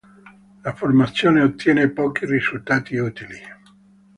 La formazione ottiene pochi risultati utili.